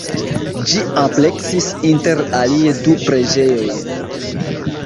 Ĝi ampleksis inter alie du preĝejojn.